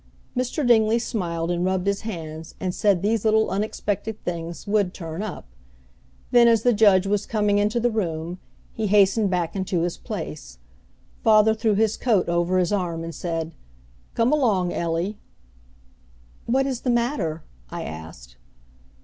Mr. Dingley smiled and rubbed his hands, and said these little unexpected things would turn up. Then, as the judge was coming into the room, he hastened back into his place. Father threw his coat over his arm and said, "Come along, Ellie." "What is the matter?" I asked.